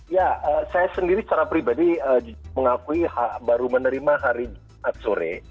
ya saya sendiri secara pribadi mengakui baru menerima hari jumat sore